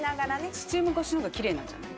スチーム越しのほうがきれいなんじゃない？